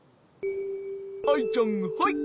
アイちゃんはい！